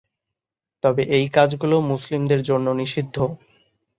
তবে এই কাজগুলো মুসলিমদের জন্য নিষিদ্ধ।